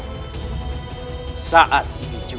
yang akan akan ahli pemer pillowsoks neuro